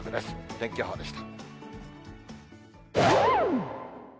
天気予報でした。